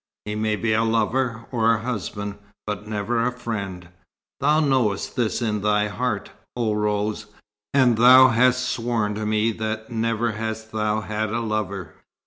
He may be a lover or a husband, but never a friend. Thou knowest this in thy heart, O Rose, and thou hast sworn to me that never hast thou had a lover."